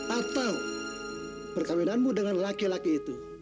atau perkawinanmu dengan laki laki itu